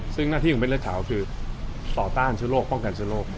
ซึ่งหน้าที่ของเม็ดเลือดขาวคือต่อต้านเชื้อโรคป้องกันเชื้อโรค